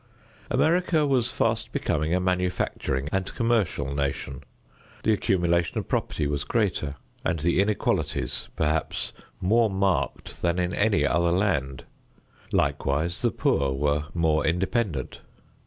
America was fast becoming a manufacturing and commercial nation. The accumulation of property was greater, and the inequalities perhaps more marked than in any other land; likewise the poor were more independent.